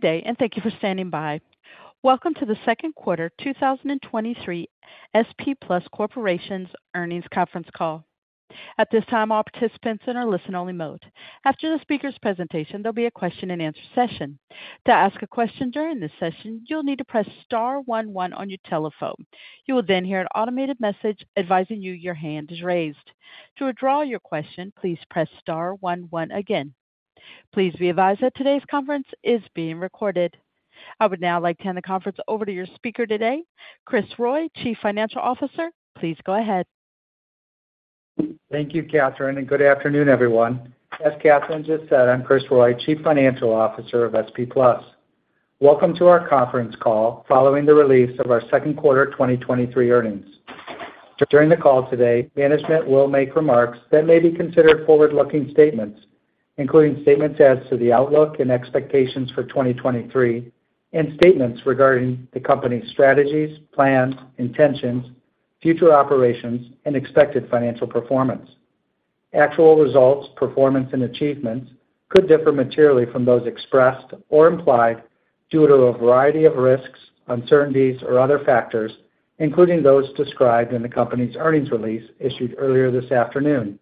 Good day, and thank you for standing by. Welcome to the Q2 2023 SP Plus Corporation earnings conference call. At this time, all participants are in a listen-only mode. After the speaker's presentation, there'll be a question-and-answer session. To ask a question during this session, you'll need to press star one one on your telephone. You will then hear an automated message advising you your hand is raised. To withdraw your question, please press star one one again. Please be advised that today's conference is being recorded. I would now like to hand the conference over to your speaker today, Kris Roy, Chief Financial Officer. Please go ahead. Thank you, Catherine, and good afternoon, everyone. As Catherine just said, I'm Kris Roy, Chief Financial Officer of SP Plus. Welcome to our conference call following the release of our Q2 2023 earnings. During the call today, management will make remarks that may be considered forward-looking statements, including statements as to the outlook and expectations for 2023, and statements regarding the company's strategies, plans, intentions, future operations, and expected financial performance. Actual results, performance, and achievements could differ materially from those expressed or implied due to a variety of risks, uncertainties, or other factors, including those described in the company's earnings release issued earlier this afternoon,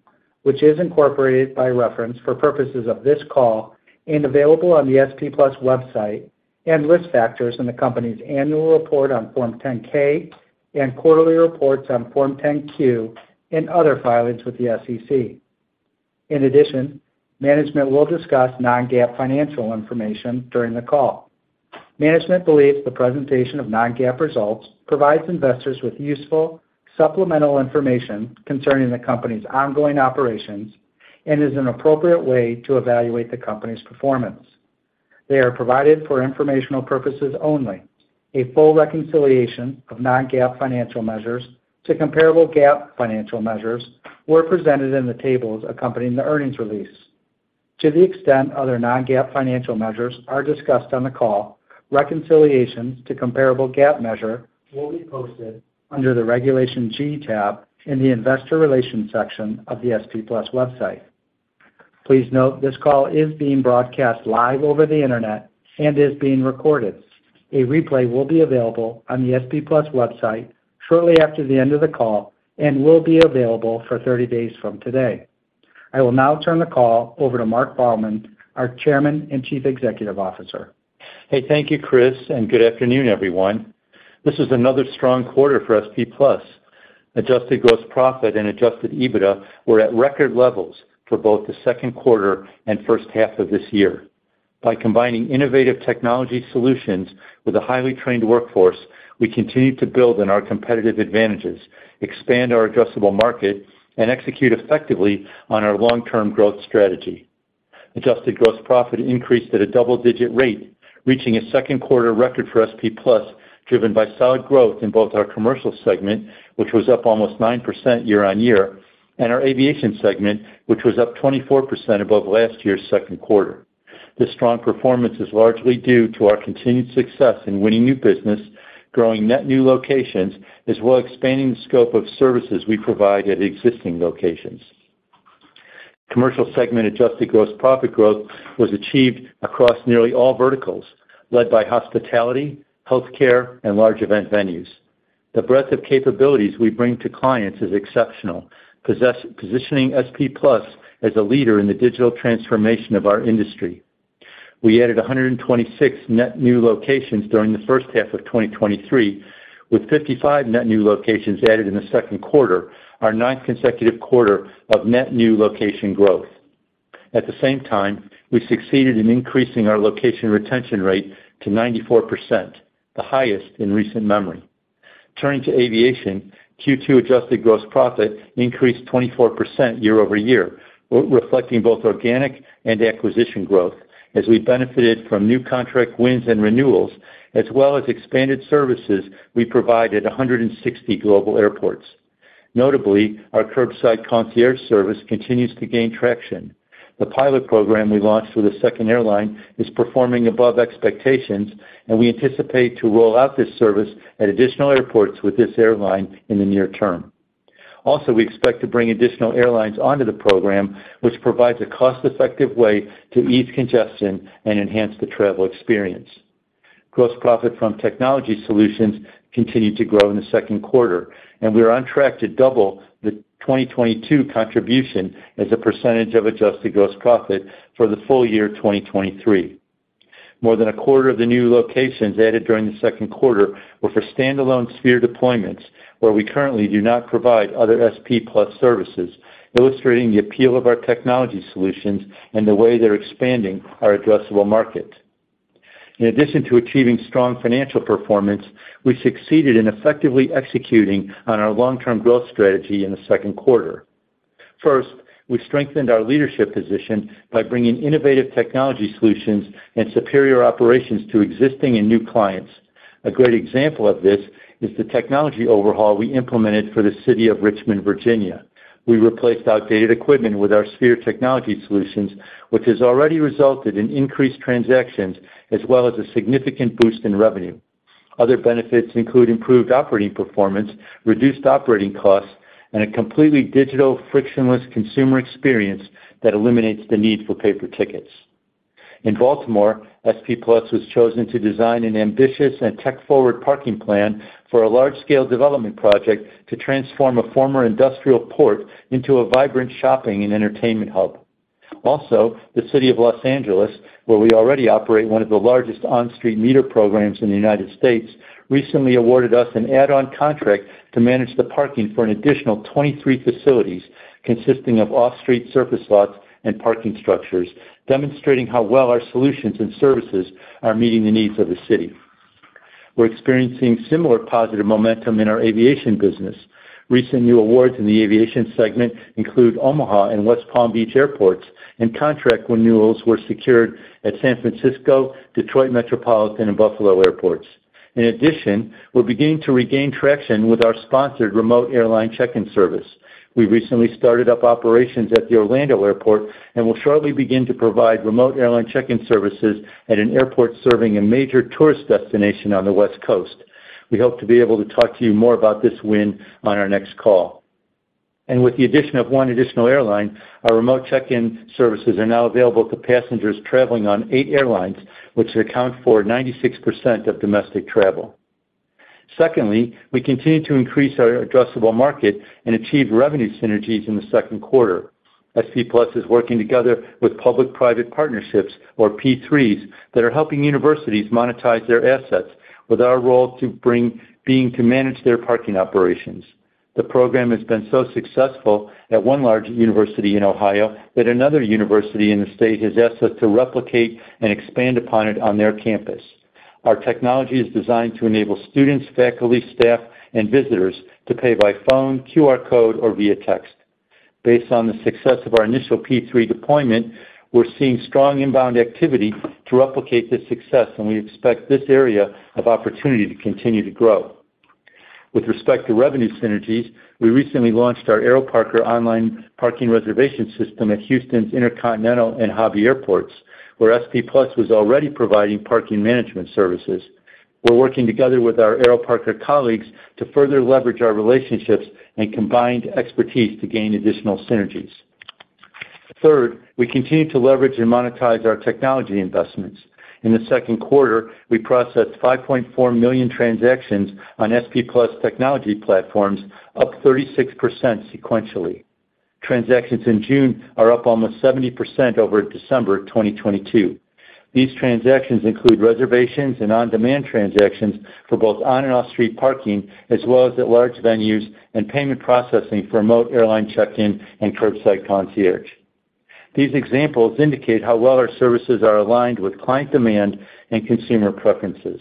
which is incorporated by reference for purposes of this call and available on the SP Plus website, and risk factors in the company's annual report on Form 10-K and quarterly reports on Form 10-Q, and other filings with the SEC. In addition, management will discuss non-GAAP financial information during the call. Management believes the presentation of non-GAAP results provides investors with useful, supplemental information concerning the company's ongoing operations and is an appropriate way to evaluate the company's performance. They are provided for informational purposes only. A full reconciliation of non-GAAP financial measures to comparable GAAP financial measures were presented in the tables accompanying the earnings release. To the extent other non-GAAP financial measures are discussed on the call, reconciliations to comparable GAAP measure will be posted under the Regulation G tab in the Investor Relations section of the SP Plus website. Please note, this call is being broadcast live over the Internet and is being recorded. A replay will be available on the SP Plus website shortly after the end of the call and will be available for 30 days from today. I will now turn the call over to Marc Baumann, our Chairman and Chief Executive Officer. Hey, thank you, Kris. Good afternoon, everyone. This is another strong quarter for SP Plus. Adjusted gross profit and adjusted EBITDA were at record levels for both the Q2 and H1 of this year. By combining innovative technology solutions with a highly trained workforce, we continue to build on our competitive advantages, expand our addressable market, and execute effectively on our long-term growth strategy. Adjusted gross profit increased at a double-digit rate, reaching a Q2 record for SP Plus, driven by solid growth in both our commercial segment, which was up almost 9% year-over-year, and our aviation segment, which was up 24% above last year's Q2. This strong performance is largely due to our continued success in winning new business, growing net new locations, as well as expanding the scope of services we provide at existing locations. Commercial segment adjusted gross profit growth was achieved across nearly all verticals, led by hospitality, healthcare, and large event venues. The breadth of capabilities we bring to clients is exceptional, positioning SP Plus as a leader in the digital transformation of our industry. We added 126 net new locations during the H1 of 2023, with 55 net new locations added in the Q2, our ninth consecutive quarter of net new location growth. At the same time, we succeeded in increasing our location retention rate to 94%, the highest in recent memory. Turning to aviation, Q2 adjusted gross profit increased 24% year-over-year, reflecting both organic and acquisition growth as we benefited from new contract wins and renewals, as well as expanded services we provide at 160 global airports. Notably, our Curbside Concierge service continues to gain traction. The pilot program we launched with a second airline is performing above expectations, and we anticipate to roll out this service at additional airports with this airline in the near term. We expect to bring additional airlines onto the program, which provides a cost-effective way to ease congestion and enhance the travel experience. Gross profit from technology solutions continued to grow in the Q2, and we are on track to double the 2022 contribution as a percentage of adjusted gross profit for the full year 2023. More than a quarter of the new locations added during the Q2 were for standalone Sphere deployments, where we currently do not provide other SP Plus services, illustrating the appeal of our technology solutions and the way they're expanding our addressable market. In addition to achieving strong financial performance, we succeeded in effectively executing on our long-term growth strategy in the Q2. First, we strengthened our leadership position by bringing innovative technology solutions and superior operations to existing and new clients. A great example of this is the technology overhaul we implemented for the city of Richmond, Virginia. We replaced outdated equipment with our Sphere technology solutions, which has already resulted in increased transactions as well as a significant boost in revenue.... Other benefits include improved operating performance, reduced operating costs, and a completely digital, frictionless consumer experience that eliminates the need for paper tickets. In Baltimore, SP Plus was chosen to design an ambitious and tech-forward parking plan for a large-scale development project to transform a former industrial port into a vibrant shopping and entertainment hub. The city of Los Angeles, where we already operate one of the largest on-street meter programs in the U.S., recently awarded us an add-on contract to manage the parking for an additional 23 facilities, consisting of off-street surface lots and parking structures, demonstrating how well our solutions and services are meeting the needs of the city. We're experiencing similar positive momentum in our aviation business. Recent new awards in the aviation segment include Omaha and West Palm Beach Airports, and contract renewals were secured at San Francisco, Detroit Metropolitan, and Buffalo airports. In addition, we're beginning to regain traction with our sponsored remote airline check-in service. We recently started up operations at the Orlando Airport, and will shortly begin to provide remote airline check-in services at an airport serving a major tourist destination on the West Coast. We hope to be able to talk to you more about this win on our next call. With the addition of one additional airline, our remote check-in services are now available to passengers traveling on eight airlines, which account for 96% of domestic travel. Secondly, we continue to increase our addressable market and achieve revenue synergies in the Q2. SP Plus is working together with public-private partnerships, or P3s, that are helping universities monetize their assets, with our role being to manage their parking operations. The program has been so successful at one large university in Ohio that another university in the state has asked us to replicate and expand upon it on their campus. Our technology is designed to enable students, faculty, staff, and visitors to pay by phone, QR code, or via text. Based on the success of our initial P3 deployment, we're seeing strong inbound activity to replicate this success, and we expect this area of opportunity to continue to grow. With respect to revenue synergies, we recently launched our AeroParker online parking reservation system at Houston's Intercontinental and Hobby airports, where SP Plus was already providing parking management services. We're working together with our AeroParker colleagues to further leverage our relationships and combined expertise to gain additional synergies. Third, we continue to leverage and monetize our technology investments. In the Q2, we processed 5.4 million transactions on SP Plus technology platforms, up 36% sequentially. Transactions in June are up almost 70% over December of 2022. These transactions include reservations and on-demand transactions for both on- and off-street parking, as well as at large venues, and payment processing for remote airline check-in and Curbside Concierge. These examples indicate how well our services are aligned with client demand and consumer preferences.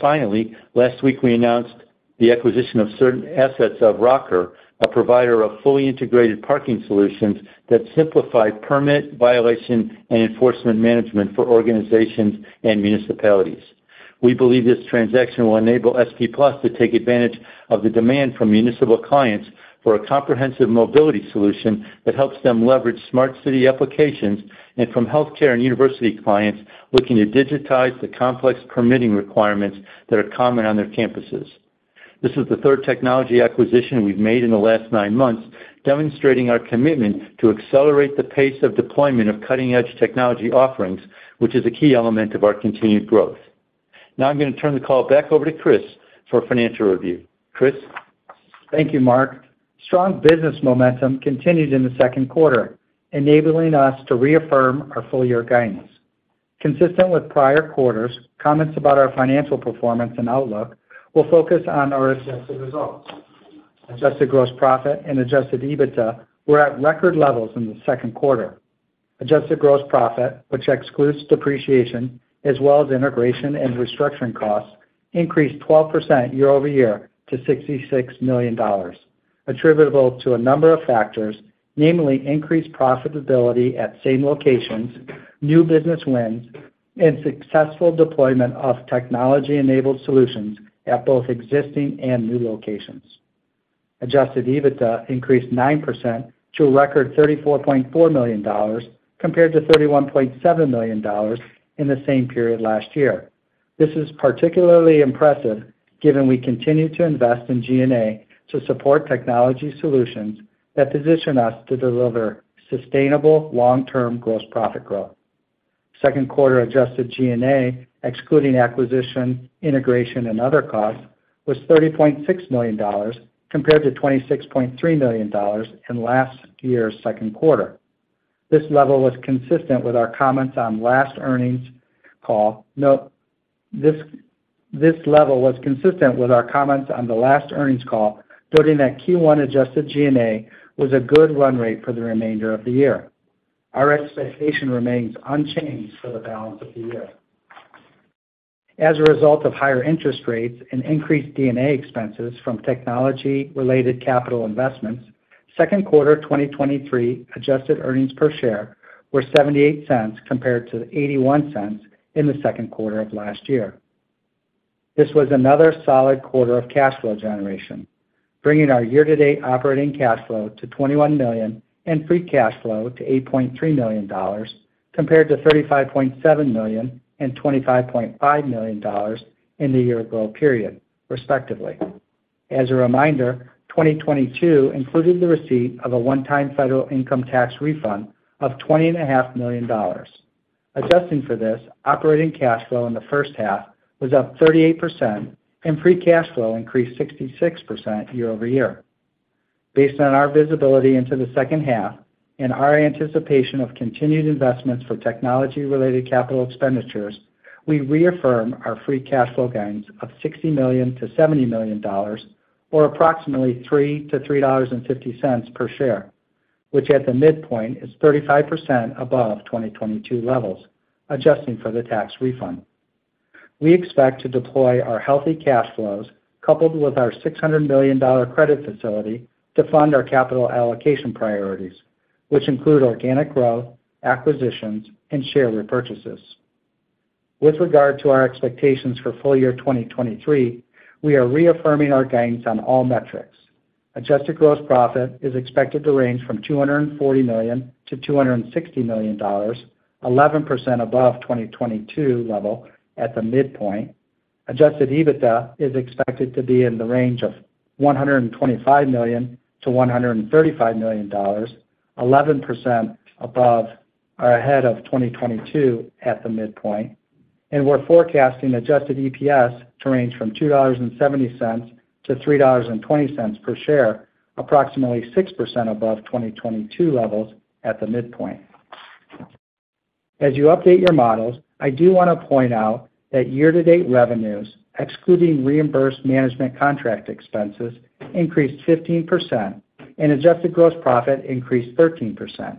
Finally, last week, we announced the acquisition of certain assets of Roker, a provider of fully integrated parking solutions that simplify permit, violation, and enforcement management for organizations and municipalities. We believe this transaction will enable SP Plus to take advantage of the demand from municipal clients for a comprehensive mobility solution that helps them leverage smart city applications, and from healthcare and university clients looking to digitize the complex permitting requirements that are common on their campuses. This is the third technology acquisition we've made in the last nine months, demonstrating our commitment to accelerate the pace of deployment of cutting-edge technology offerings, which is a key element of our continued growth. Now I'm going to turn the call back over to Kris for a financial review. Kris? Thank you, Marc. Strong business momentum continued in the Q2, enabling us to reaffirm our full-year guidance. Consistent with prior quarters, comments about our financial performance and outlook will focus on our adjusted results. Adjusted gross profit and adjusted EBITDA were at record levels in the Q2. Adjusted gross profit, which excludes depreciation, as well as integration and restructuring costs, increased 12% year-over-year to $66 million, attributable to a number of factors, namely increased profitability at same locations, new business wins, and successful deployment of technology-enabled solutions at both existing and new locations. Adjusted EBITDA increased 9% to a record $34.4 million, compared to $31.7 million in the same period last year. This is particularly impressive given we continue to invest in G&A to support technology solutions that position us to deliver sustainable long-term gross profit growth. Q2 adjusted G&A, excluding acquisition, integration, and other costs, was $30.6 million, compared to $26.3 million in last year's Q2. This level was consistent with our comments on the last earnings call, noting that Q1 adjusted G&A was a good run rate for the remainder of the year. Our expectation remains unchanged for the balance of the year. As a result of higher interest rates and increased G&A expenses from technology-related capital investments, Q2 2023 adjusted earnings per share were $0.78, compared to $0.81 in the Q2 of last year. This was another solid quarter of cash flow generation.... bringing our year-to-date operating cash flow to $21 million and free cash flow to $8.3 million, compared to $35.7 million and $25.5 million in the year-ago period, respectively. As a reminder, 2022 included the receipt of a one-time federal income tax refund of $20.5 million. Adjusting for this, operating cash flow in the H1 was up 38% and free cash flow increased 66% year-over-year. Based on our visibility into the H2 and our anticipation of continued investments for technology-related capital expenditures, we reaffirm our free cash flow gains of $60 million-$70 million or approximately $3.00-$3.50 per share, which at the midpoint is 35% above 2022 levels, adjusting for the tax refund. We expect to deploy our healthy cash flows, coupled with our $600 million credit facility, to fund our capital allocation priorities, which include organic growth, acquisitions, and share repurchases. With regard to our expectations for full year 2023, we are reaffirming our gains on all metrics. Adjusted gross profit is expected to range from $240 million-$260 million, 11% above 2022 level at the midpoint. Adjusted EBITDA is expected to be in the range of $125 million-$135 million, 11% above or ahead of 2022 at the midpoint. We're forecasting adjusted EPS to range from $2.70-$3.20 per share, approximately 6% above 2022 levels at the midpoint. As you update your models, I do want to point out that year-to-date revenues, excluding reimbursed management contract expenses, increased 15% and adjusted gross profit increased 13%.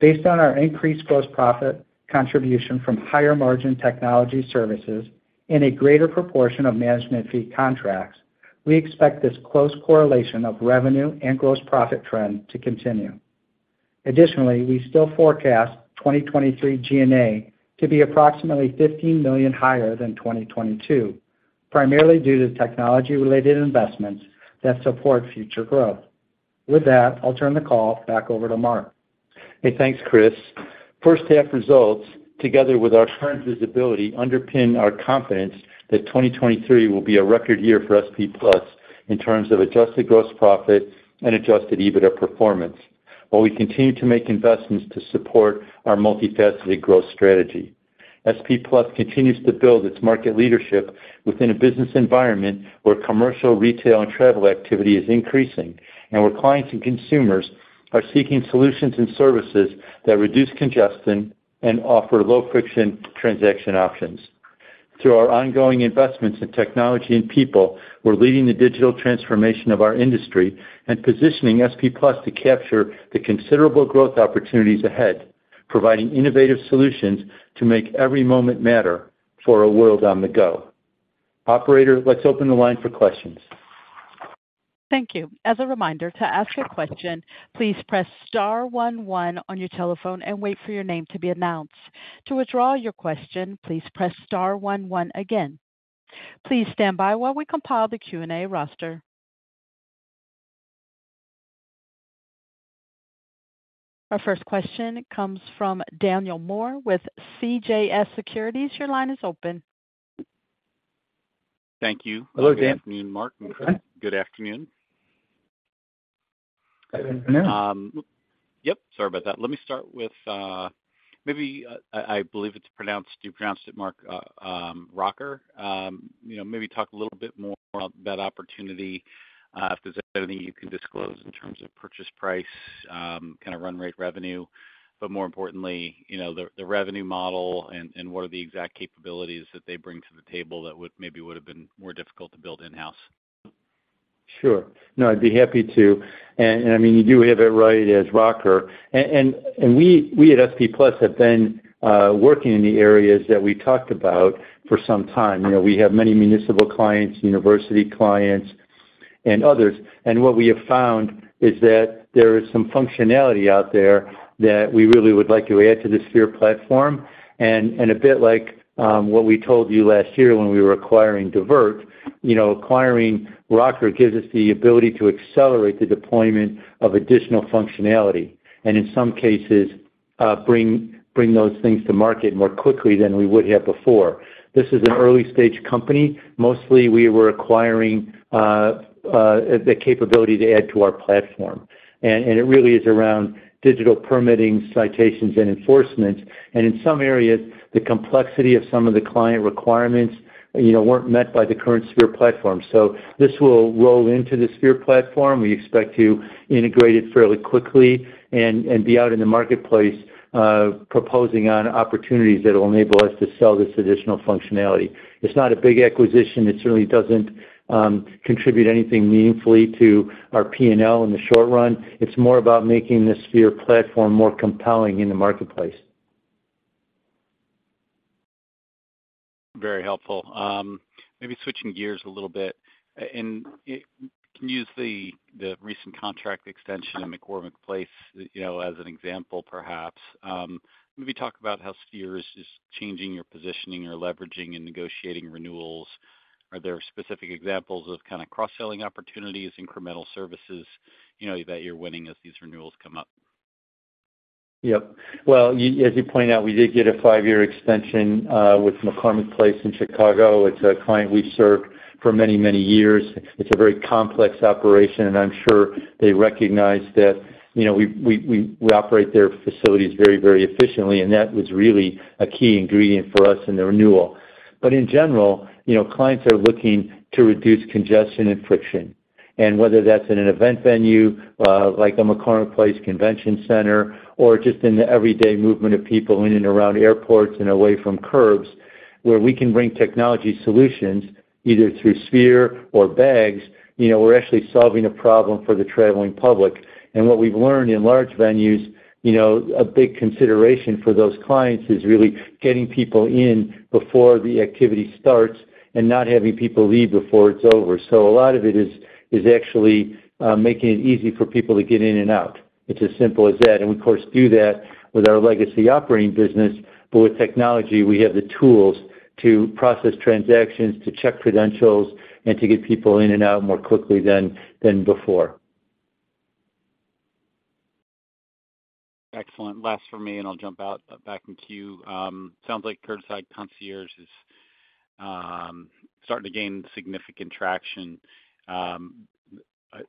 Based on our increased gross profit contribution from higher margin technology services and a greater proportion of management fee contracts, we expect this close correlation of revenue and gross profit trend to continue. Additionally, we still forecast 2023 G&A to be approximately $15 million higher than 2022, primarily due to technology-related investments that support future growth. With that, I'll turn the call back over to Marc. Hey, thanks, Kris. H1 results, together with our current visibility, underpin our confidence that 2023 will be a record year for SP Plus in terms of adjusted gross profit and adjusted EBITDA performance, while we continue to make investments to support our multifaceted growth strategy. SP Plus continues to build its market leadership within a business environment where commercial, retail, and travel activity is increasing and where clients and consumers are seeking solutions and services that reduce congestion and offer low-friction transaction options. Through our ongoing investments in technology and people, we're leading the digital transformation of our industry and positioning SP Plus to capture the considerable growth opportunities ahead, providing innovative solutions to make every moment matter for a world on the go. Operator, let's open the line for questions. Thank you. As a reminder, to ask a question, please press star one one on your telephone and wait for your name to be announced. To withdraw your question, please press star one one again. Please stand by while we compile the Q&A roster. Our first question comes from Daniel Moore with CJS Securities. Your line is open. Thank you. Hello, Dan. Good afternoon, Marc and Kris. Good afternoon. Good afternoon. Yep, sorry about that. Let me start with, maybe, I, I believe it's pronounced, you pronounced it, Marc, Roker. You know, maybe talk a little bit more about that opportunity, if there's anything you can disclose in terms of purchase price, kind of run rate revenue, but more importantly, you know, the, the revenue model and, and what are the exact capabilities that they bring to the table that would, maybe would have been more difficult to build in-house? Sure. No, I'd be happy to. I mean, you do have it right as Roker. We, we at SP Plus have been working in the areas that we talked about for some time. You know, we have many municipal clients, university clients, and others. What we have found is that there is some functionality out there that we really would like to add to the Sphere platform. A bit like, what we told you last year when we were acquiring DIVRT, you know, acquiring Roker gives us the ability to accelerate the deployment of additional functionality, and in some cases, bring, bring those things to market more quickly than we would have before. This is an early-stage company. Mostly, we were acquiring the capability to add to our platform, and it really is around digital permitting, citations, and enforcement. In some areas, the complexity of some of the client requirements, you know, weren't met by the current Sphere platform. This will roll into the Sphere platform. We expect to integrate it fairly quickly and be out in the marketplace, proposing on opportunities that will enable us to sell this additional functionality. It's not a big acquisition. It certainly doesn't contribute anything meaningfully to our P&L in the short run. It's more about making the Sphere platform more compelling in the marketplace. Very helpful. Maybe switching gears a little bit, can you use the, the recent contract extension at McCormick Place, you know, as an example, perhaps? Maybe talk about how Sphere is, is changing your positioning or leveraging and negotiating renewals. Are there specific examples of kind of cross-selling opportunities, incremental services, you know, that you're winning as these renewals come up? Yep. Well, as you pointed out, we did get a five-year extension with McCormick Place in Chicago. It's a client we've served for many, many years. It's a very complex operation, and I'm sure they recognize that, you know, we, we, we operate their facilities very, very efficiently, and that was really a key ingredient for us in the renewal. In general, you know, clients are looking to reduce congestion and friction. Whether that's in an event venue, like the McCormick Place Convention Center, or just in the everyday movement of people in and around airports and away from curbs, where we can bring technology solutions, either through Sphere or Bags, you know, we're actually solving a problem for the traveling public. What we've learned in large venues, you know, a big consideration for those clients is really getting people in before the activity starts and not having people leave before it's over. A lot of it is, is actually making it easy for people to get in and out. It's as simple as that. We, of course, do that with our legacy operating business, but with technology, we have the tools to process transactions, to check credentials, and to get people in and out more quickly than, than before. Excellent. Last for me, I'll jump out, back in queue. Sounds like Curbside Concierge is starting to gain significant traction. I,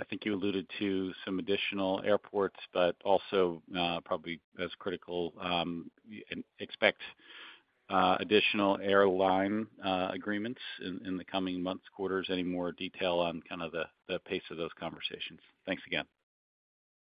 I think you alluded to some additional airports, also probably as critical, expect additional airline agreements in the coming months, quarters. Any more detail on kind of the, the pace of those conversations? Thanks again.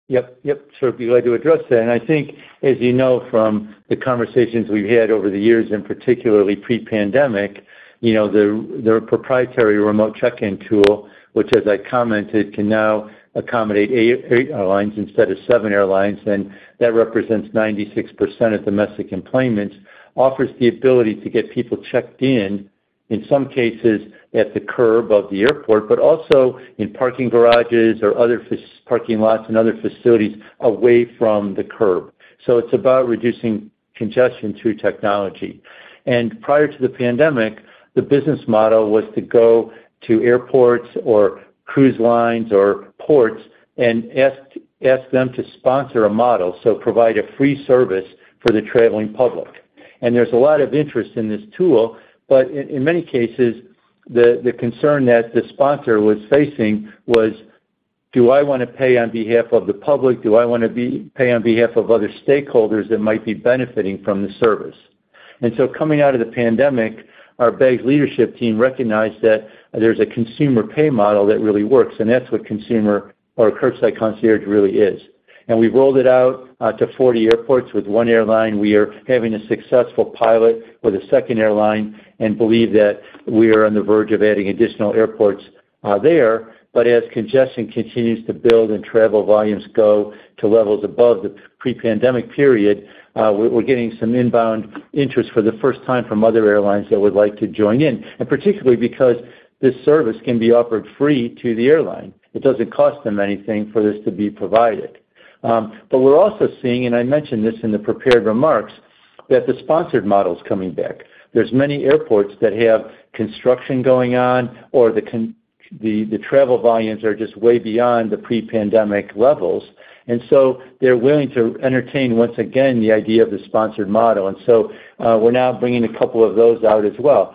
Yep, yep. Sure, be glad to address that. I think, as you know from the conversations we've had over the years, and particularly pre-pandemic, you know, their, their proprietary remote check-in tool, which as I commented, can now accommodate eight, eight airlines instead of seven airlines, and that represents 96% of domestic enplanements, offers the ability to get people checked in, in some cases, at the curb of the airport, but also in parking garages or other fac- parking lots and other facilities away from the curb. It's about reducing congestion through technology. Prior to the pandemic, the business model was to go to airports or cruise lines or ports and ask, ask them to sponsor a model, so provide a free service for the traveling public. There's a lot of interest in this tool, but in many cases, the concern that the sponsor was facing was: Do I want to pay on behalf of the public? Do I want to pay on behalf of other stakeholders that might be benefiting from the service? Coming out of the pandemic, our Bags leadership team recognized that there's a consumer pay model that really works, and that's what consumer or Curbside Concierge really is. We've rolled it out to 40 airports. With one airline, we are having a successful pilot with a second airline and believe that we are on the verge of adding additional airports there. As congestion continues to build and travel volumes go to levels above the pre-pandemic period, we're getting some inbound interest for the first time from other airlines that would like to join in, and particularly because this service can be offered free to the airline. It doesn't cost them anything for this to be provided. We're also seeing, and I mentioned this in the prepared remarks, that the sponsored model is coming back. There's many airports that have construction going on, or the travel volumes are just way beyond the pre-pandemic levels, and so they're willing to entertain, once again, the idea of the sponsored model. We're now bringing a couple of those out as well.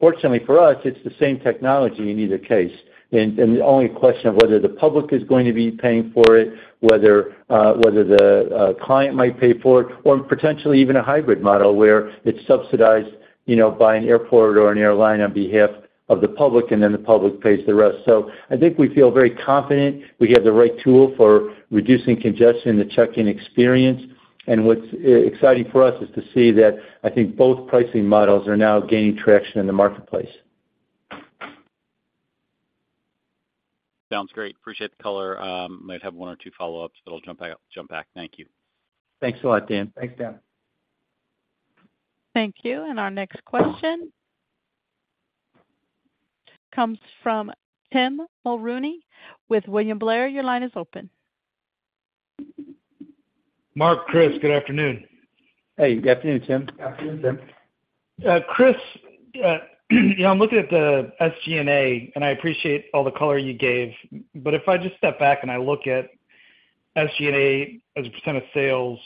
Fortunately for us, it's the same technology in either case. The only question of whether the public is going to be paying for it, whether, whether the client might pay for it, or potentially even a hybrid model, where it's subsidized, you know, by an airport or an airline on behalf of the public, and then the public pays the rest. I think we feel very confident we have the right tool for reducing congestion in the check-in experience. What's exciting for us is to see that I think both pricing models are now gaining traction in the marketplace. Sounds great. Appreciate the color. Might have one or two follow-ups, but I'll jump back, jump back. Thank you. Thanks a lot, Dan. Thanks, Dan. Thank you. Our next question comes from Tim Mulrooney with William Blair. Your line is open. Marc, Kris, good afternoon. Hey, good afternoon, Tim. Afternoon, Tim. Kris, you know, I'm looking at the SG&A. I appreciate all the color you gave. If I just step back and I look at SG&A as a % of sales,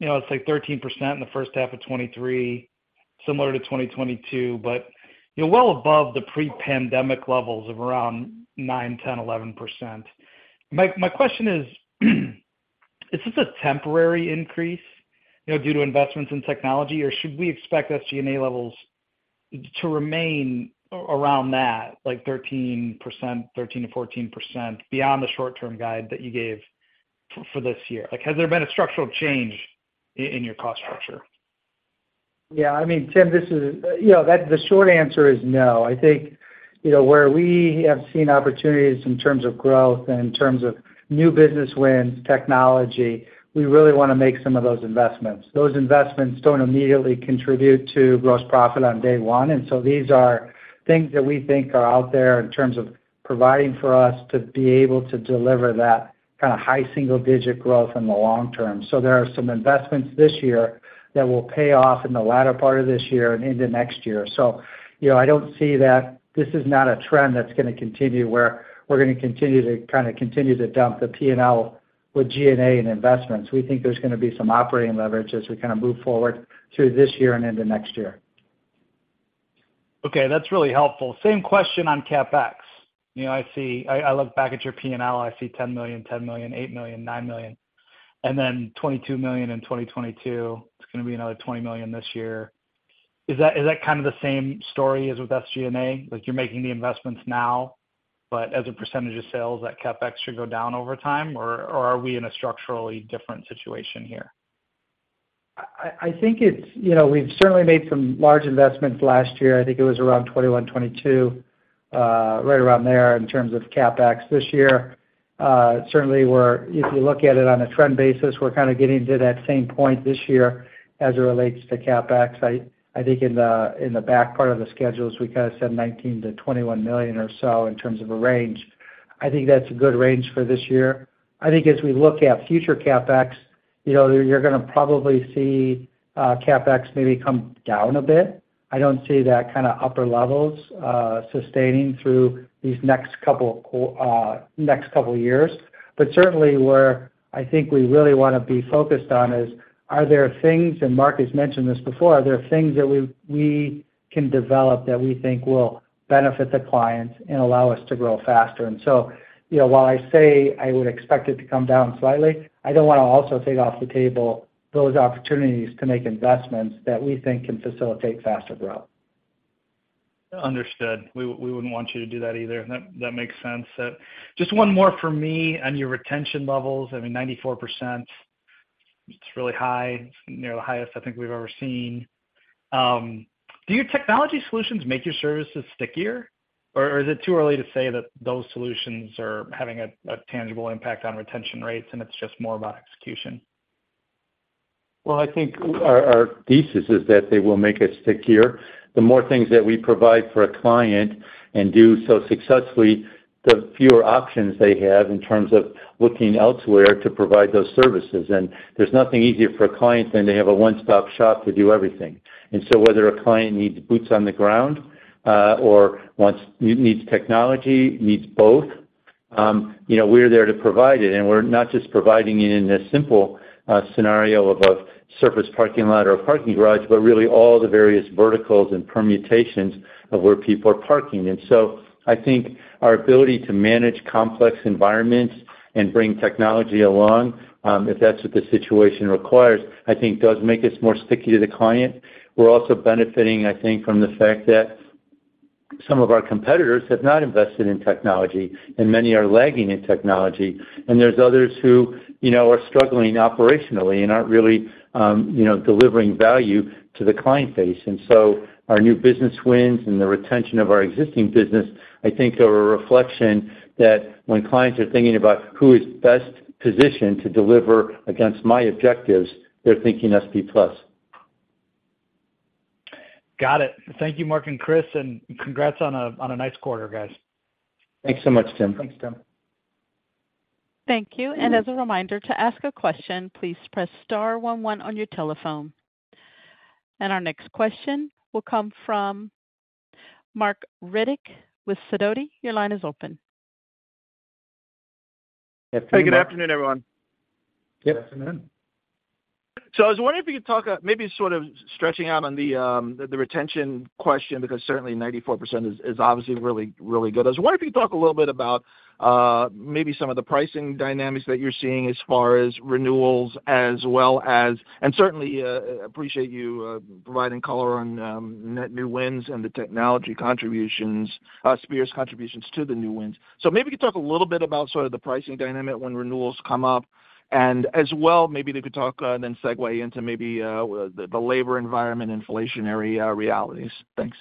you know, it's like 13% in the H1 of 2023, similar to 2022, but, you know, well above the pre-pandemic levels of around 9%, 10%, 11%. My question is, is this a temporary increase, you know, due to investments in technology, or should we expect SG&A levels to remain around that, like 13%, 13%,14%, beyond the short-term guide that you gave for this year? Like, has there been a structural change in your cost structure? Yeah, I mean, Tim, this is, you know, that-- the short answer is no. I think, you know, where we have seen opportunities in terms of growth and in terms of new business wins, technology, we really want to make some of those investments. Those investments don't immediately contribute to gross profit on day one, and so these are things that we think are out there in terms of providing for us to be able to deliver that kind of high single-digit growth in the long term. There are some investments this year that will pay off in the latter part of this year and into next year. You know, I don't see that-- this is not a trend that's going to continue, where we're going to continue to kind of continue to dump the P&L. with G&A and investments, we think there's gonna be some operating leverage as we kind of move forward through this year and into next year. Okay, that's really helpful. Same question on CapEx. You know, I see I, I look back at your P&L, I see $10 million, $10 million, $8 million, $9 million, and then $22 million in 2022. It's gonna be another $20 million this year. Is that, is that kind of the same story as with SG&A? Like, you're making the investments now, but as a percentage of sales, that CapEx should go down over time, or, or are we in a structurally different situation here? I think it's, you know, we've certainly made some large investments last year. I think it was around 21, 22, right around there in terms of CapEx. This year, certainly we're if you look at it on a trend basis, we're kind of getting to that same point this year as it relates to CapEx. I think in the, in the back part of the schedules, we kind of said $19 million-$21 million or so in terms of a range. I think that's a good range for this year. I think as we look at future CapEx, you know, you're gonna probably see CapEx maybe come down a bit. I don't see that kind of upper levels sustaining through these next couple years. Certainly, where I think we really wanna be focused on is, are there things, and Marc has mentioned this before, are there things that we, we can develop that we think will benefit the clients and allow us to grow faster? You know, while I say I would expect it to come down slightly, I don't wanna also take off the table those opportunities to make investments that we think can facilitate faster growth. Understood. We, we wouldn't want you to do that either. That, that makes sense. just one more for me on your retention levels. I mean, 94%, it's really high. It's near the highest I think we've ever seen. do your technology solutions make your services stickier, or is it too early to say that those solutions are having a, a tangible impact on retention rates, and it's just more about execution? Well, I think our, our thesis is that they will make it stickier. The more things that we provide for a client and do so successfully, the fewer options they have in terms of looking elsewhere to provide those services. There's nothing easier for a client than to have a one-stop-shop to do everything. Whether a client needs boots on the ground, or needs technology, needs both, you know, we're there to provide it. We're not just providing it in a simple scenario of a surface parking lot or a parking garage, but really all the various verticals and permutations of where people are parking. I think our ability to manage complex environments and bring technology along, if that's what the situation requires, I think does make us more sticky to the client. We're also benefiting, I think, from the fact that some of our competitors have not invested in technology, and many are lagging in technology. There's others who, you know, are struggling operationally and aren't really, you know, delivering value to the client base. Our new business wins and the retention of our existing business, I think, are a reflection that when clients are thinking about who is best positioned to deliver against my objectives, they're thinking SP Plus. Got it. Thank you, Marc and Kris, and congrats on a nice quarter, guys. Thanks so much, Tim. Thanks, Tim. Thank you. As a reminder, to ask a question, please press star one one on your telephone. Our next question will come from Marc Riddick with Sidoti. Your line is open. Hey, good afternoon, everyone. Yep, good afternoon. I was wondering if you could talk about maybe sort of stretching out on the, the retention question, because certainly 94% is, is obviously really, really good. I was wondering if you could talk a little bit about maybe some of the pricing dynamics that you're seeing as far as renewals, as well as. Certainly, appreciate you providing color on net new wins and the technology contributions, Sphere's contributions to the new wins. Maybe you could talk a little bit about sort of the pricing dynamic when renewals come up, and as well, maybe you could talk and then segue into maybe the labor environment, inflationary realities. Thanks.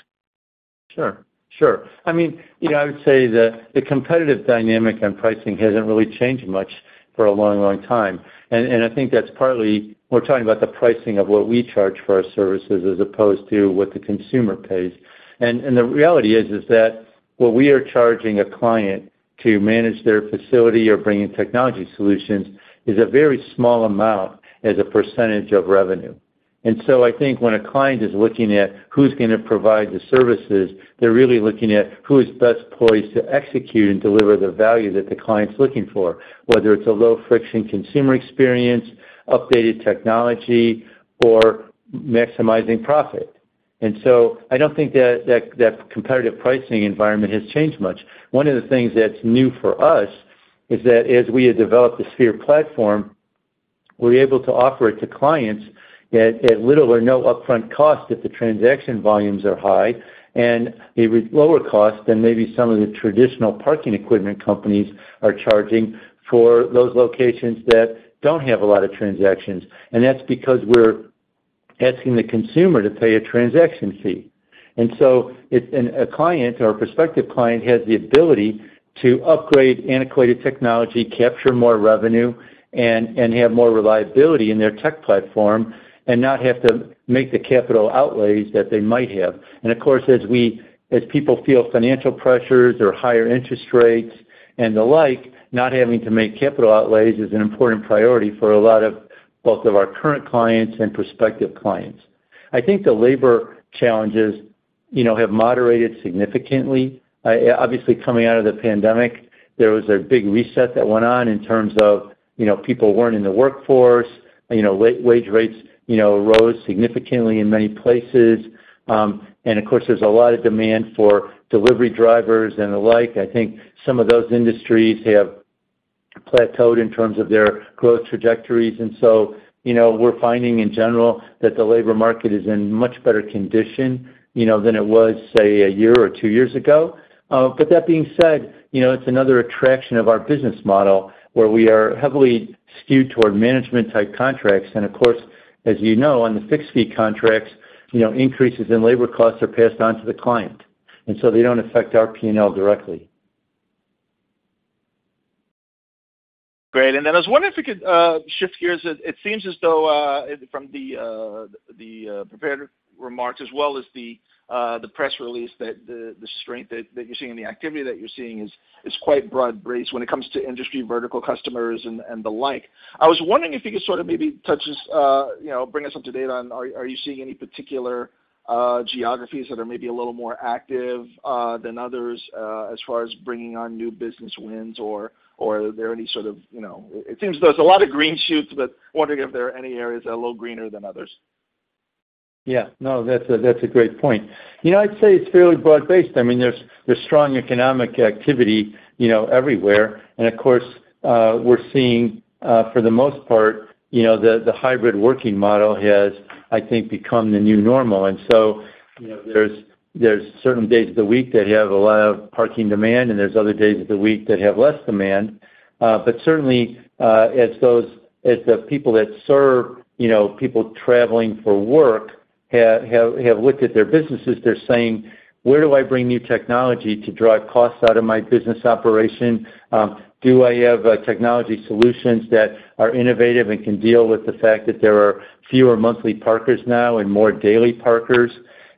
Sure, sure. I mean, you know, I would say that the competitive dynamic on pricing hasn't really changed much for a long, long time. I think that's partly, we're talking about the pricing of what we charge for our services as opposed to what the consumer pays. The reality is, is that what we are charging a client to manage their facility or bring in technology solutions is a very small amount as a percentage of revenue. I think when a client is looking at who's gonna provide the services, they're really looking at who is best poised to execute and deliver the value that the client's looking for, whether it's a low-friction consumer experience, updated technology, or maximizing profit. I don't think that, that, that competitive pricing environment has changed much. One of the things that's new for us is that as we have developed the Sphere platform, we're able to offer it to clients at, at little or no upfront cost if the transaction volumes are high, and it is lower cost than maybe some of the traditional parking equipment companies are charging for those locations that don't have a lot of transactions. That's because we're asking the consumer to pay a transaction fee. So if an, a client or a prospective client has the ability to upgrade antiquated technology, capture more revenue, and, and have more reliability in their tech platform and not have to make the capital outlays that they might have. Of course, as people feel financial pressures or higher interest rates and the like, not having to make capital outlays is an important priority for a lot of both of our current clients and prospective clients. I think the labor challenges, you know, have moderated significantly. Obviously, coming out of the pandemic, there was a big reset that went on in terms of, you know, people weren't in the workforce, you know, wage rates, you know, rose significantly in many places. Of course, there's a lot of demand for delivery drivers and the like. I think some of those industries have plateaued in terms of their growth trajectories. So, you know, we're finding in general that the labor market is in much better condition, you know, than it was, say, a year or two years ago. That being said, you know, it's another attraction of our business model, where we are heavily skewed toward management-type contracts. Of course, as you know, on the fixed-fee contracts, you know, increases in labor costs are passed on to the client, and so they don't affect our P&L directly. Great. I was wondering if we could shift gears. It seems as though from the prepared remarks, as well as the press release, that the strength that you're seeing and the activity that you're seeing is quite broad-based when it comes to industry, vertical customers and the like. I was wondering if you could sort of maybe touch us, you know, bring us up to date on are you seeing any particular geographies that are maybe a little more active than others as far as bringing on new business wins? Are there any sort of, you know, it seems there's a lot of green shoots, but wondering if there are any areas that are a little greener than others. Yeah. No, that's a, that's a great point. You know, I'd say it's fairly broad-based. I mean, there's, there's strong economic activity, you know, everywhere. Of course, we're seeing, for the most part, you know, the, the hybrid working model has, I think, become the new normal. So, you know, there's, there's certain days of the week that have a lot of parking demand, and there's other days of the week that have less demand. Certainly, as those-- as the people that serve, you know, people traveling for work have, have looked at their businesses, they're saying: Where do I bring new technology to drive costs out of my business operation? Do I have technology solutions that are innovative and can deal with the fact that there are fewer monthly parkers now and more daily parkers?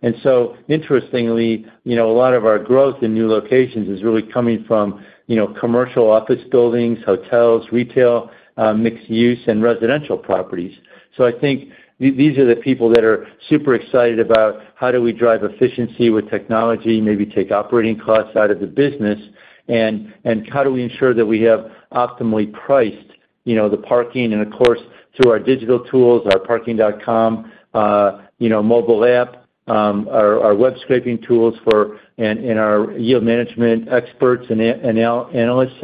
Interestingly, you know, a lot of our growth in new locations is really coming from, you know, commercial office buildings, hotels, retail, mixed use, and residential properties. I think these are the people that are super excited about how do we drive efficiency with technology, maybe take operating costs out of the business, and how do we ensure that we have optimally priced, you know, the parking. Of course, through our digital tools, our Parking.com, you know, mobile app, our web scraping tools for, and our yield management experts and analysts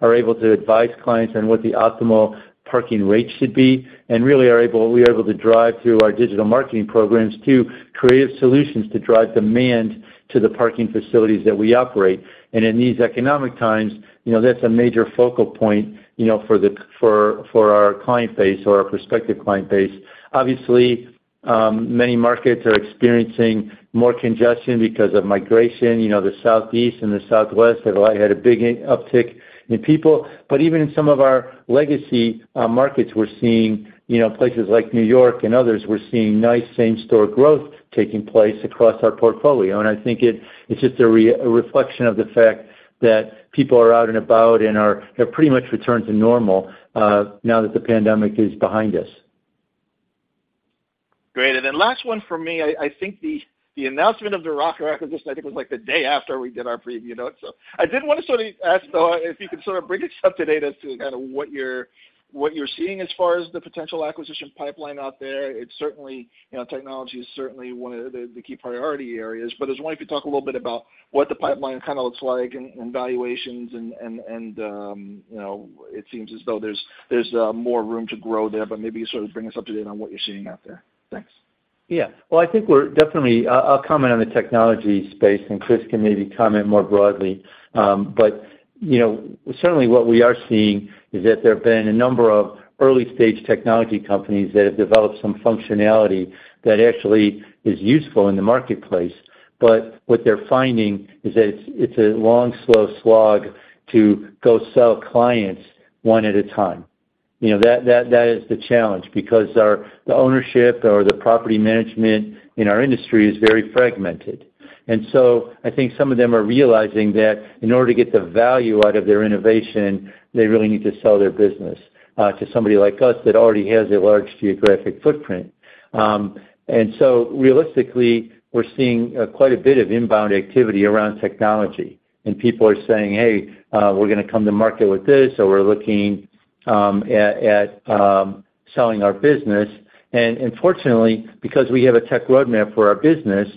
are able to advise clients on what the optimal parking rates should be, and really we are able to drive, through our digital marketing programs, to creative solutions to drive demand to the parking facilities that we operate. In these economic times, you know, that's a major focal point, you know, for the, for, for our client base or our prospective client base. Obviously, many markets are experiencing more congestion because of migration. You know, the Southeast and the Southwest have had a big uptick in people. Even in some of our legacy markets, we're seeing, you know, places like New York and others, we're seeing nice same-store growth taking place across our portfolio. I think it, it's just a reflection of the fact that people are out and about and are, have pretty much returned to normal now that the pandemic is behind us. Great. Last one for me. I, I think the, the announcement of the Roker acquisition, I think, was, like, the day after we did our preview note. I did want to sort of ask, though, if you could sort of bring us up to date as to kind of what you're, what you're seeing as far as the potential acquisition pipeline out there. It's certainly, you know, technology is certainly one of the, the key priority areas. I was wondering if you could talk a little bit about what the pipeline kind of looks like and, and valuations. And, and, and, you know, it seems as though there's, there's more room to grow there, but maybe sort of bring us up to date on what you're seeing out there. Thanks. Yeah. Well, I think we're definitely... I'll comment on the technology space, and Kris can maybe comment more broadly. You know, certainly what we are seeing is that there have been a number of early-stage technology companies that have developed some functionality that actually is useful in the marketplace. What they're finding is that it's, it's a long, slow slog to go sell clients one at a time. You know, that, that, that is the challenge because our, the ownership or the property management in our industry is very fragmented. I think some of them are realizing that in order to get the value out of their innovation, they really need to sell their business, to somebody like us that already has a large geographic footprint. Realistically, we're seeing quite a bit of inbound activity around technology, and people are saying, "Hey, we're gonna come to market with this," or, "We're looking at selling our business." Unfortunately, because we have a tech roadmap for our business,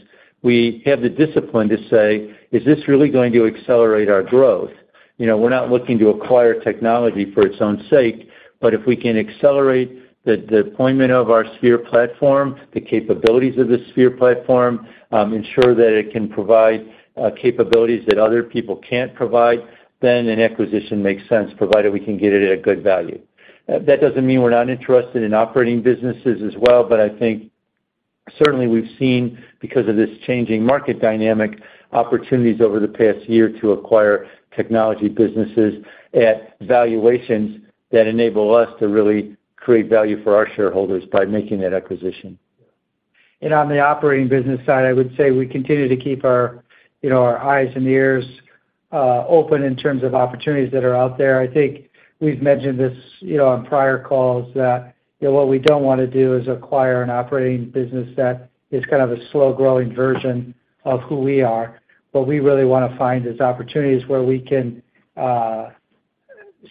we have the discipline to say: Is this really going to accelerate our growth? You know, we're not looking to acquire technology for its own sake, but if we can accelerate the deployment of our Sphere platform, the capabilities of the Sphere platform, ensure that it can provide capabilities that other people can't provide, then an acquisition makes sense, provided we can get it at a good value. That doesn't mean we're not interested in operating businesses as well, but I think certainly we've seen, because of this changing market dynamic, opportunities over the past year to acquire technology businesses at valuations that enable us to really create value for our shareholders by making that acquisition. On the operating business side, I would say we continue to keep our, you know, our eyes and ears open in terms of opportunities that are out there. I think we've mentioned this, you know, on prior calls, that, you know, what we don't want to do is acquire an operating business that is kind of a slow-growing version of who we are. What we really wanna find is opportunities where we can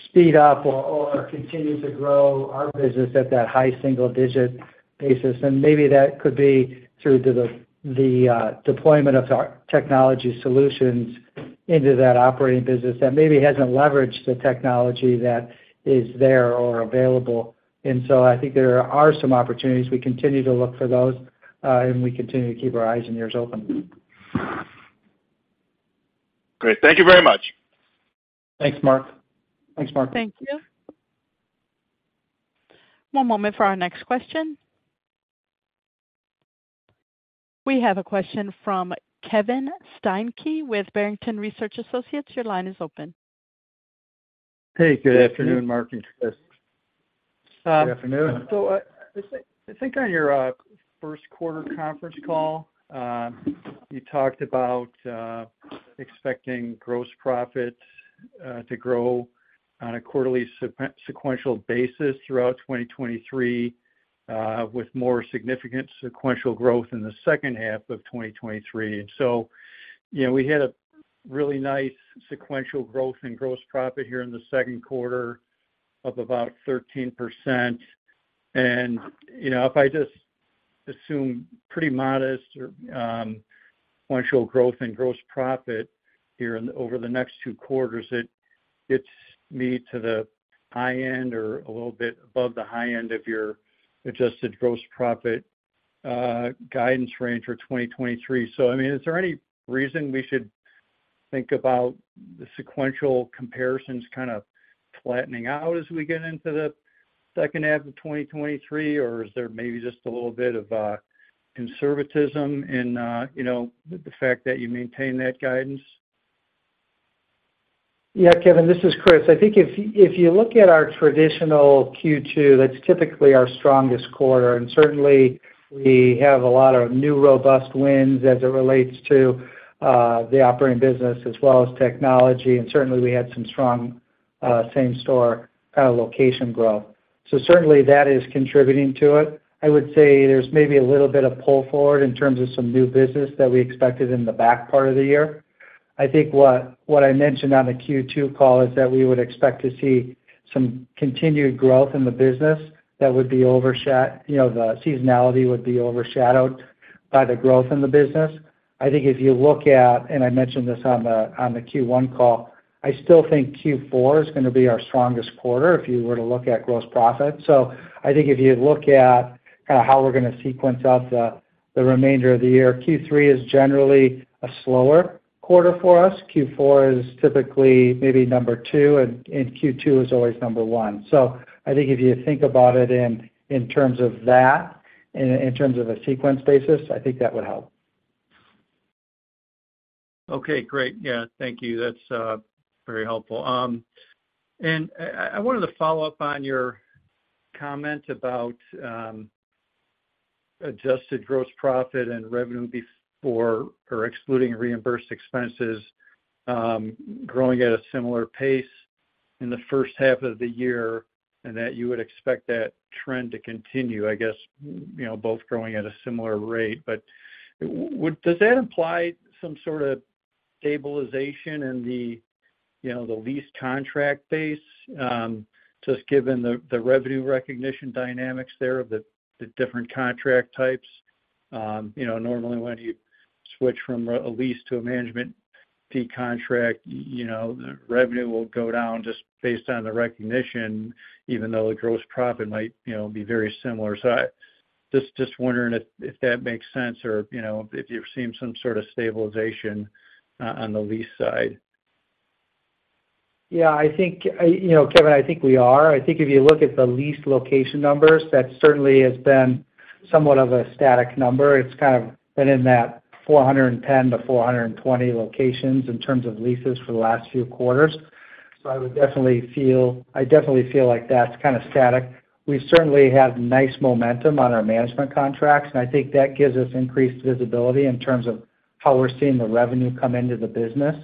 speed up or continue to grow our business at that high single digit basis. Maybe that could be through the deployment of our technology solutions into that operating business, that maybe hasn't leveraged the technology that is there or available. I think there are some opportunities. We continue to look for those, and we continue to keep our eyes and ears open. Great. Thank you very much. Thanks, Marc. Thanks, Marc. Thank you. One moment for our next question. We have a question from Kevin Steinke with Barrington Research Associates. Your line is open. Hey, good afternoon, Marc and Kris. Good afternoon. I, I think on your Q1 conference call, you talked about expecting gross profits to grow on a quarterly sequential basis throughout 2023, with more significant sequential growth in the H2 of 2023. You know, we had a really nice sequential growth in gross profit here in the Q2 of about 13%. You know, if I just assume pretty modest or sequential growth in gross profit here in over the next two quarters, it gets me to the high end or a little bit above the high end of your adjusted gross profit guidance range for 2023. I mean, is there any reason we should think about the sequential comparisons kind of flattening out as we get into the H2 of 2023? Is there maybe just a little bit of conservatism in, you know, the fact that you maintain that guidance? Yeah, Kevin, this is Chris. I think if, if you look at our traditional Q2, that's typically our strongest quarter. Certainly we have a lot of new robust wins as it relates to, the operating business as well as technology. Certainly, we had some strong, same store, location growth. Certainly, that is contributing to it. I would say there's maybe a little bit of pull forward in terms of some new business that we expected in the back part of the year. I think what, what I mentioned on the Q2 call is that we would expect to see some continued growth in the business that would be oversha- you know, the seasonality would be overshadowed by the growth in the business. I think if you look at, and I mentioned this on the Q1 call, I still think Q4 is gonna be our strongest quarter, if you were to look at gross profit. I think if you look at kind of how we're gonna sequence out the remainder of the year, Q3 is generally a slower quarter for us. Q4 is typically maybe number two, and Q2 is always number one. I think if you think about it in terms of that and in terms of a sequence basis, I think that would help. Okay, great. Yeah, thank you. That's very helpful. I, I wanted to follow up on your comment about adjusted gross profit and revenue before or excluding reimbursed expenses, growing at a similar pace in the first half of the year, and that you would expect that trend to continue, I guess, you know, both growing at a similar rate. Does that imply some sort of stabilization in the, you know, the lease contract base, just given the, the revenue recognition dynamics there of the, the different contract types? You know, normally, when you switch from a lease to a management fee contract, you know, the revenue will go down just based on the recognition, even though the gross profit might, you know, be very similar. I just, just wondering if, if that makes sense or, you know, if you've seen some sort of stabilization on the lease side? Yeah, I think, you know, Kevin, I think we are. I think if you look at the lease location numbers, that certainly has been somewhat of a static number. It's kind of been in that 410-420 locations in terms of leases for the last few quarters. I definitely feel like that's kind of static. We've certainly had nice momentum on our management contracts. I think that gives us increased visibility in terms of how we're seeing the revenue come into the business.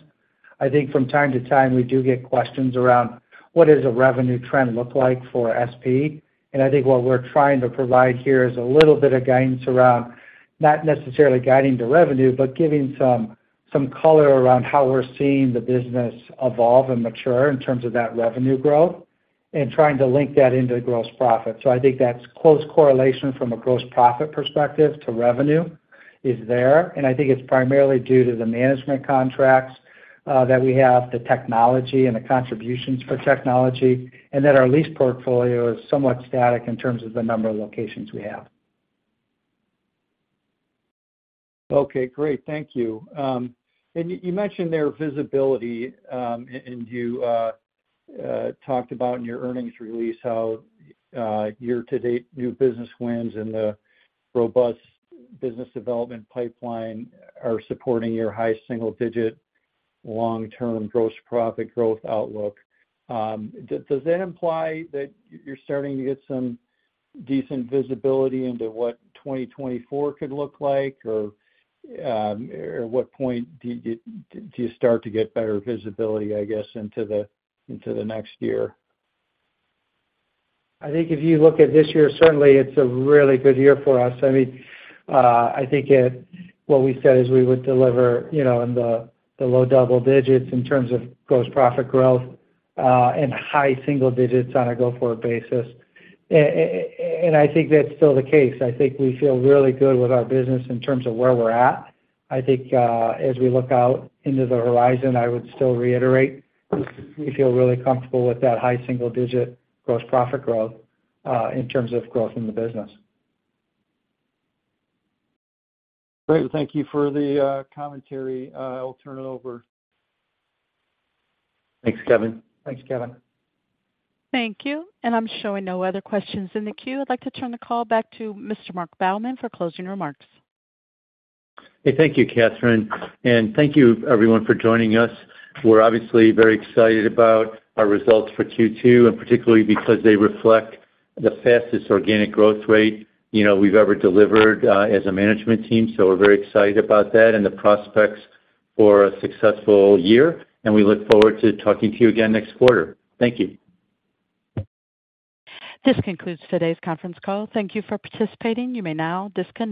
I think from time to time, we do get questions around: What is a revenue trend look like for SP? I think what we're trying to provide here is a little bit of guidance around, not necessarily guiding the revenue, but giving some, some color around how we're seeing the business evolve and mature in terms of that revenue growth, and trying to link that into the gross profit. I think that's close correlation from a gross profit perspective to revenue is there, and I think it's primarily due to the management contracts, that we have, the technology and the contributions for technology, and that our lease portfolio is somewhat static in terms of the number of locations we have. Okay, great. Thank you. You mentioned there visibility, and you talked about in your earnings release, how year-to-date new business wins and the robust business development pipeline are supporting your high single-digit long-term gross profit growth outlook. Does that imply that you're starting to get some decent visibility into what 2024 could look like? Or, at what point do you start to get better visibility, I guess, into the, into the next year? I think if you look at this year, certainly it's a really good year for us. I mean, I think what we said is we would deliver, you know, in the low double digits in terms of gross profit growth, and high single digits on a go-forward basis. I think that's still the case. I think we feel really good with our business in terms of where we're at. I think, as we look out into the horizon, I would still reiterate, we feel really comfortable with that high single digit gross profit growth in terms of growth in the business. Great. Thank you for the commentary. I'll turn it over. Thanks, Kevin. Thanks, Kevin. Thank you. I'm showing no other questions in the queue. I'd like to turn the call back to Mr. Marc Baumann for closing remarks. Hey, thank you, Catherine, and thank you everyone for joining us. We're obviously very excited about our results for Q2, and particularly because they reflect the fastest organic growth rate, you know, we've ever delivered as a management team. We're very excited about that and the prospects for a successful year, and we look forward to talking to you again next quarter. Thank you. This concludes today's conference call. Thank you for participating. You may now disconnect.